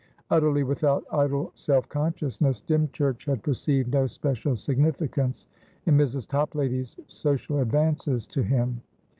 Utterly without idle self consciousness, Dymchurch had perceived no special significance in Mrs. Toplady's social advances to him.